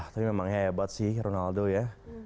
tapi memangnya hebat sih ronaldo ya